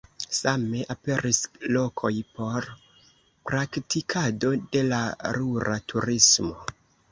Same aperis lokoj por praktikado de la rura turismo.